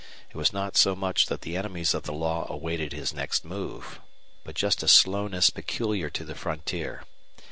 It was not so much that the enemies of the law awaited his next move, but just a slowness peculiar to the frontier.